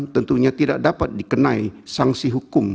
tentunya tidak dapat dikenai sanksi hukum